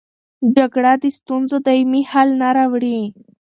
جګړه د ستونزو دایمي حل نه راوړي.